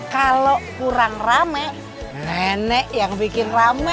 kalau kurang rame nenek yang bikin rame